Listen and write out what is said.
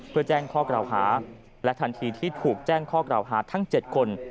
เพื่อแจ้งข้อกล่าวหาและทันทีที่ถูกแจ้งข้อกล่าวหาทั้ง๗คน